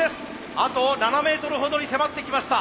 あと７メートルほどに迫ってきました。